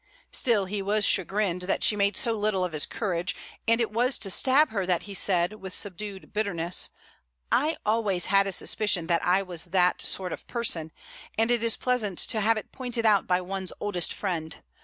Still he was chagrined that she made so little of his courage, and it was to stab her that he said, with subdued bitterness: "I always had a suspicion that I was that sort of person, and it is pleasant to have it pointed out by one's oldest friend.